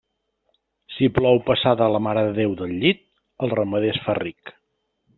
Si plou passada la Mare de Déu del llit, el ramader es fa ric.